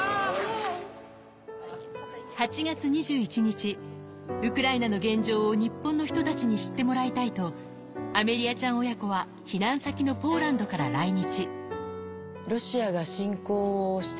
８月２１日、ウクライナの現状を日本の人たちに知ってもらいたいとアメリアちゃん親子は避難先のポーランドから来日。